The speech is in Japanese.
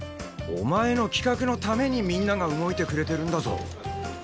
お前の企画のためにみんなが動いてくれてるんだぞ。